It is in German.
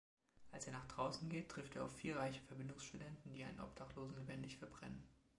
Als er nach draußen geht, trifft er auf vier reiche Verbindungsstudenten, die einen Obdachlosen lebendig verbrennen.